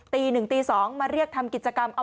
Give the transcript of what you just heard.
ตีหนึ่งตีสองมาเรียกทำกิจกรรม